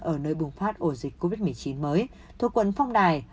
ở nơi bùng phát ổ dịch covid một mươi chín mới thuộc quận phong đài